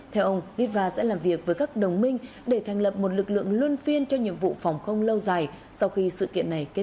theo ông litva sẽ làm việc với các đồng minh để thành lập một lực lượng luân phiên cho nhiệm vụ phòng không lâu dài sau khi sự kiện này kết thúc